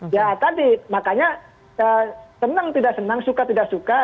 ya tadi makanya senang tidak senang suka tidak suka